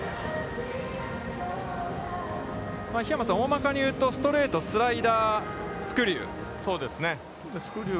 桧山さん、大まかに言うと、ストレート、スライダー、スクリュー。